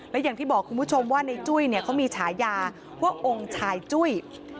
และอย่างที่บอกคุณผู้ชมว่าในจุ้ยเขามีฉายาว่าองค์ชายจุ้ย